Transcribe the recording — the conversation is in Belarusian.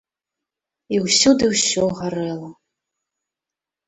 І ўсюды ўсё гарэла.